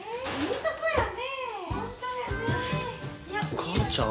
母ちゃん。